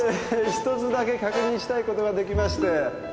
ひとつだけ確認したいことができまして。